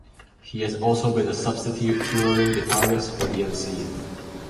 He has also been a substitute touring guitarist for The Unseen.